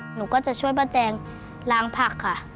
หนูก็จะช่วยป้าแจงล้างผักค่ะ